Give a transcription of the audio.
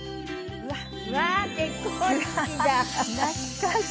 うわっ！